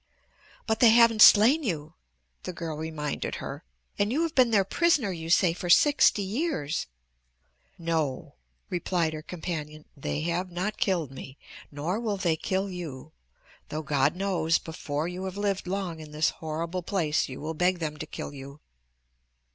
"But they haven't slain you," the girl reminded her, "and you have been their prisoner, you say, for sixty years." "No," replied her companion, "they have not killed me, nor will they kill you, though God knows before you have lived long in this horrible place you will beg them to kill you."